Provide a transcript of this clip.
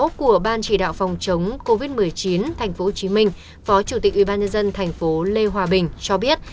báo của ban chỉ đạo phòng chống covid một mươi chín tp hcm phó chủ tịch ubnd tp lê hòa bình cho biết